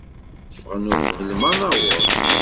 Ffɣen uqbel ma nuweḍ-d.